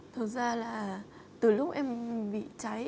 thực ra là từ lúc em bị cháy